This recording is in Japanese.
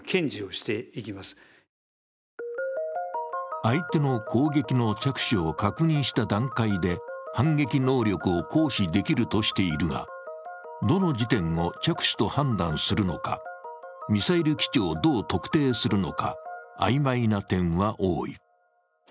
相手の攻撃の着手を確認した段階で反撃能力を行使できるとしているが、どの時点を着手と判断するのか、ミサイル基地をどう特定するのか、曖昧な点は多い。